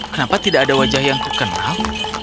kenapa tidak ada wajah yang terkenal